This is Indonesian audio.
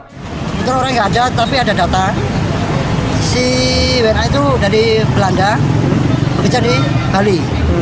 kebetulan orang nggak ada tapi ada data si wna itu dari belanda bekerja di bali